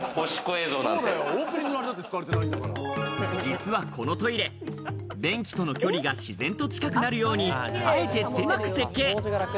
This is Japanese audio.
実はこのトイレ、便器との距離が自然と近くなるように、あえて狭く設計。